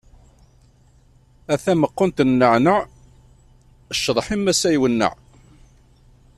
A tameqqunt n nneɛneɛ, ccḍeḥ-im ass-a iwenneɛ.